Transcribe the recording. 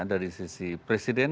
dari sisi presiden